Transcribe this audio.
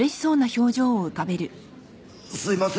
すいません。